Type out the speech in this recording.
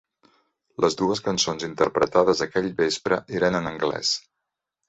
Les dues cançons interpretades aquell vespre eren en anglès.